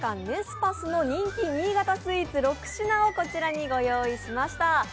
ネスパスの人気新潟スイーツ６品をこちらにご用意しました。